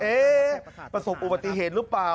ประสบอุบัติเหตุหรือเปล่า